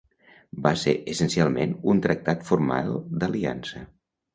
Va ser essencialment un tractat formal d'aliança.